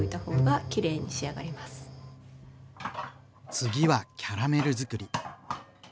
次はキャラメルづくり。